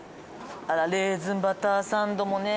あらレーズンバターサンドもね